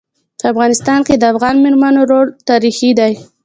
په افغانستان کي د افغان میرمنو رول تاریخي دی.